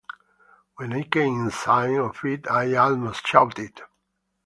When I came in sight of it I almost shouted.